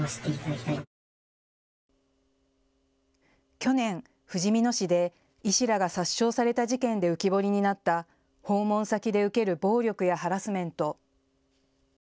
去年、ふじみ野市で医師らが殺傷された事件で浮き彫りになった訪問先で受ける暴力やハラスメント。